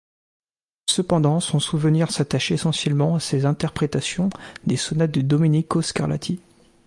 Cependant, son souvenir s'attache essentiellement à ses interprétations des sonates de Domenico Scarlatti.